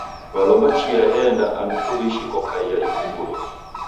W'alomba chia eenda andu kuw'ishi kokaia ifungulo.